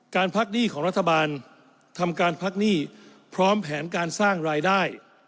พักหนี้ของรัฐบาลทำการพักหนี้พร้อมแผนการสร้างรายได้